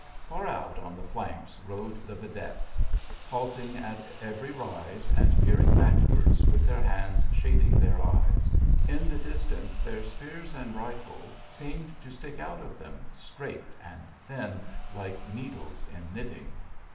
Far out on the flanks rode the vedettes, halting at every rise, and peering backwards with their hands shading their eyes. In the distance their spears and rifles seemed to stick out of them, straight and thin, like needles in knitting.